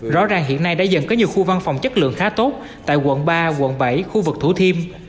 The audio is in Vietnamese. rõ ràng hiện nay đã dần có nhiều khu văn phòng chất lượng khá tốt tại quận ba quận bảy khu vực thủ thiêm